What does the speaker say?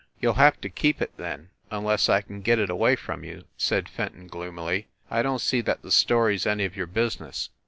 "You ll have to keep it, then, unless I can get it away from you," said Fenton gloomily. "I don t see that the story s any of your business."